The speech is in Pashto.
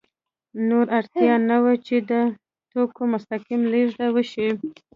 نور اړتیا نه وه چې د توکو مستقیم لېږد وشي